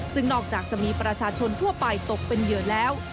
ซึ่งนอกจากจะมีประชาชนทั่วไปตกเป็นเหยื่อแล้ว